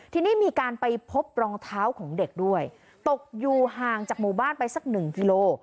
ทีนี้มีการไปพบรองเท้าของเด็กด้วยตกอยู่ห่างจากหมู่บ้านไปสักหนึ่งกิโล